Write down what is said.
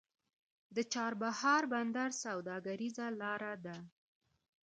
د چابهار بندر سوداګریزه لاره ده